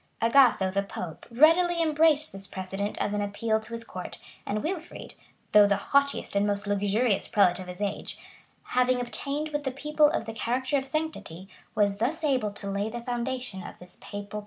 [] Agatho, the pope, readily embraced this precedent of an appeal to his court; and Wilfrid, though the haughtiest and most luxurious prelate of his age,[] having obtained with the people the character of sanctity, was thus able to lay the foundation of this papal pretension.